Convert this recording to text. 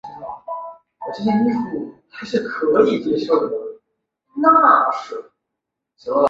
多刺仿刺铠虾为铠甲虾科仿刺铠虾属下的一个种。